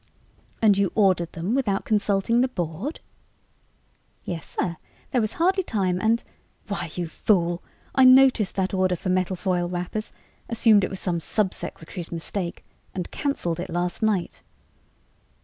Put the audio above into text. "And you ordered them without consulting the Board?" "Yes, sir. There was hardly time and " "Why, you fool! I noticed that order for metal foil wrappers, assumed it was some sub secretary's mistake, and canceled it last night!"